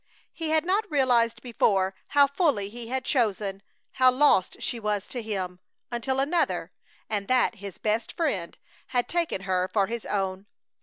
He had not realized before how fully he had chosen, how lost she was to him, until another, and that his best friend, had taken her for his own.